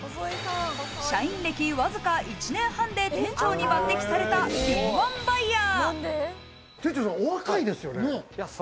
社員歴わずか１年半で店長に抜擢された敏腕バイヤー。